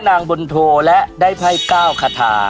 นางบนโทและได้ไพ่ก้าวคาทา